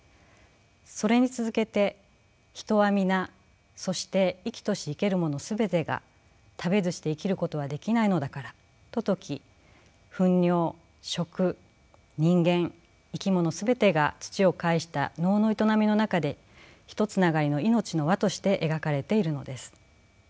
それに続けて人は皆そして生きとし生けるもの全てが食べずして生きることはできないのだからと説き糞尿食人間生きもの全てが土を介した農の営みの中でひとつながりの命の環として描かれているのです。